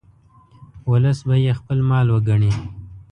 ولس به یې خپل مال وګڼي.